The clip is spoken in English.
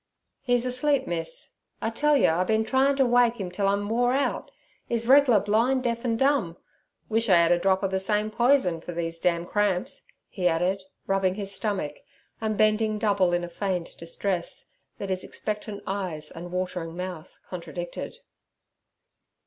"E's asleep, miss; I tell yer I been tryin' t' wake 'im till I'm wore out. 'E's regler blin', an' deaf, an' dumb. Wish I 'ad a drop ov ther same pizen for these damn cramps' he added, rubbing his stomach and bending double in a feigned distress, that his expectant eyes and watering mouth contradicted.